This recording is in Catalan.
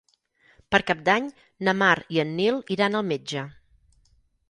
Per Cap d'Any na Mar i en Nil iran al metge.